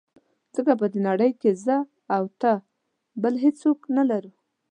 ځکه په دې نړۍ کې زه او ته بل هېڅوک نه لرو.